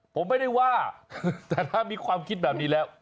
ผมไม่ได้ว่าแต่ถ้ามีความคิดแบบนี้แล้ว